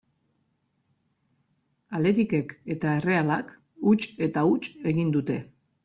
Athleticek eta Errealak huts eta huts egin dute.